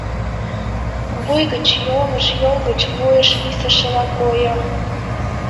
Вуй гыч йолыш, йол гыч вуйыш висышыла койо.